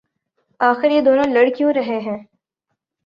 آخر یہ دونوں لڑ کیوں رہے ہیں